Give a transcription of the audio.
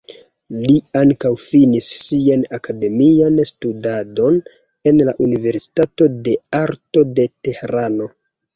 Li ankaŭ finis sian akademian studadon en la universitato de arto de Tehrano.